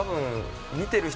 見てる人